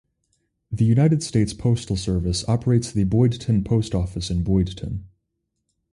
The United States Postal Service operates the Boydton Post Office in Boydton.